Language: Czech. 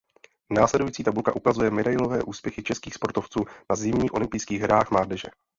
Následující tabulka ukazuje medailové úspěchy českých sportovců na zimních olympijských hrách mládeže.